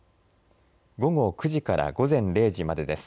午後９時から午前０時までです。